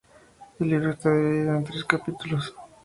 El libro está dividido en tres capítulos.